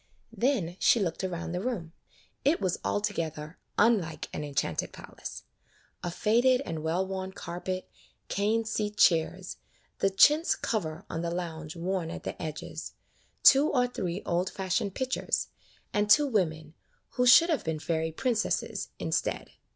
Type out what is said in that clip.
Then she looked around the room. It was altogether unlike an enchanted palace. A faded and well worn carpet, cane seat chairs, the chintz cover on the lounge worn at the edges, two or three old fashioned pictures, and two women — who should have been fairy princesses — instead.